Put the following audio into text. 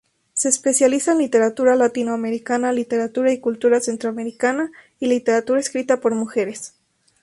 Se especializa en literatura latinoamericana, literatura y cultura centroamericana y literatura escrita por mujeres.